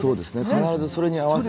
必ずそれに合わせて。